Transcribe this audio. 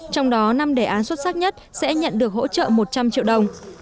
trong đó năm đề án xuất sắc nhất sẽ nhận được hỗ trợ một trăm linh triệu đồng